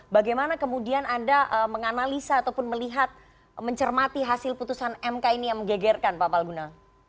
bagaimana kemudian anda menganalisa ataupun melihat mencermati hasil putusan mk ini yang menggegerkan pak palguna